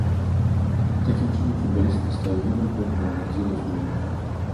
Такім чынам, футбаліст паставіў новы рэкорд бамбардзіраў зборных.